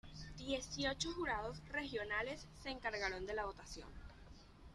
Dieciocho jurados regionales se encargaron de la votación.